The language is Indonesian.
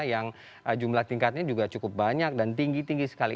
yang jumlah tingkatnya juga cukup banyak dan tinggi tinggi sekali